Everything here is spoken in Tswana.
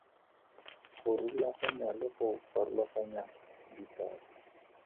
Go rulaganya le go farologanya dipalo.